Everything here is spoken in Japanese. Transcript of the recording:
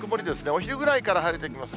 お昼ぐらいから晴れてきます。